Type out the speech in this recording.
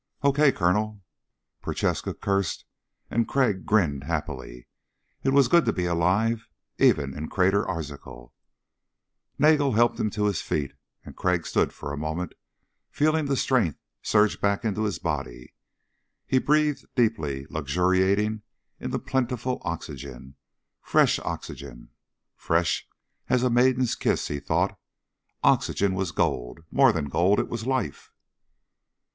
"Okay, Colonel." Prochaska cursed and Crag grinned happily. It was good to be alive, even in Crater Arzachel. Nagel helped him to his feet and Crag stood for a moment, feeling the strength surge back into his body. He breathed deeply, luxuriating in the plentiful oxygen. Fresh oxygen. Fresh as a maiden's kiss, he thought Oxygen was gold. More than gold. It was life.